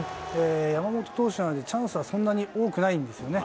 山本投手なので、チャンスはそんなに多くないんですよね。